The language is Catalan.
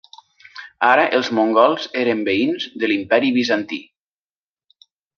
Ara els mongols eren veïns de l'Imperi Bizantí.